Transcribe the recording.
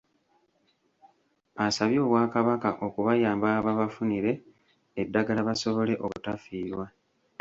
Asabye Obwakabaka okubayamba babafunire eddagala basobole obutafiirwa.